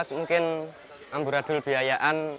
mungkin amburadul biayaan